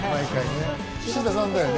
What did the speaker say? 菱田さんだよね。